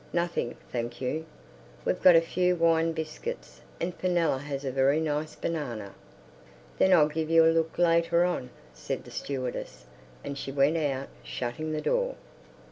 "Nothing, thank you. We've got a few wine biscuits, and Fenella has a very nice banana." "Then I'll give you a look later on," said the stewardess, and she went out, shutting the door.